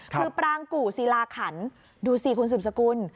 คือปรางกู่ศิลาขันดูสิคุณสืบสกุล